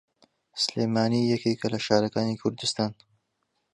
سلێمانی یەکێکە لە شارەکانی کوردستان.